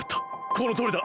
このとおりだ。